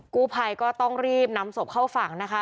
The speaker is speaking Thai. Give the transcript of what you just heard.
กู้ภัยก็ต้องรีบนำศพเข้าฝั่งนะคะ